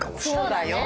そうだよ。